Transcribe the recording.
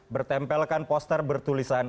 bertempelkan poster bertulisan